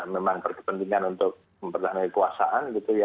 memang berkepentingan untuk mempertahankan kekuasaan gitu ya